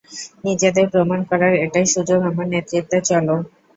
নিজেদের প্রমাণ করার এটাই সুযোগ, আমার নেতৃত্বে চলো।